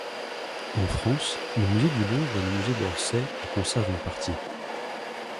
En France, le musée du Louvre et le musée d'Orsay en conservent une partie.